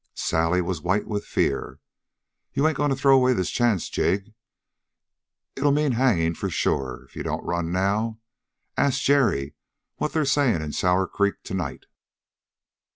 Sally was white with fear. "You ain't going to throw away this chance, Jig? It'll mean hanging sure, if you don't run now. Ask Jerry what they're saying in Sour Creek tonight?"